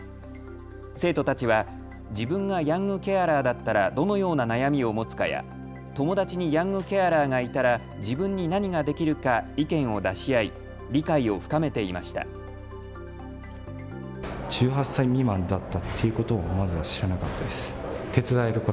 生徒たちは自分がヤングケアラーだったらどのような悩みを持つかや友達にヤングケアラーがいたら自分に何ができるか意見を出し合い理解を深めていました。